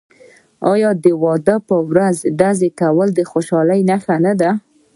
آیا د واده په ورځ ډزې کول د خوشحالۍ نښه نه ده؟